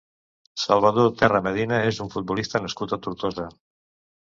Salvador Terra Medina és un futbolista nascut a Tortosa.